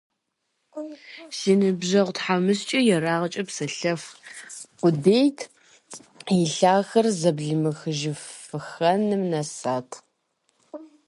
Си ныбжьэгъу тхьэмыщкӀэр ерагъкӀэ псэлъэф къудейт, и лъэхэр зэблимыхыжыфыххэным нэсат.